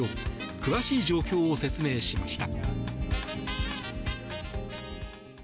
詳しい状況を説明しました。